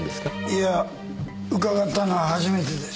いや伺ったのは初めてです。